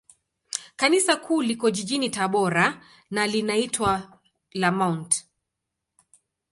Kanisa Kuu liko jijini Tabora, na linaitwa la Mt.